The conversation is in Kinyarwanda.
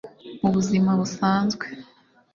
mu buzima busanzwe